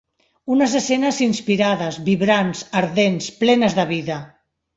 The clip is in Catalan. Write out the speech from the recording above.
Unes escenes inspirades, vibrants, ardents, plenes de vida